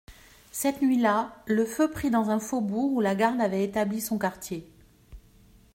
Cette nuit-là le feu prit dans un faubourg où la garde avait établi son quartier.